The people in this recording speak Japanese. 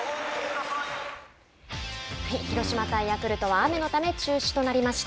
広島対ヤクルトは雨のため中止となりました。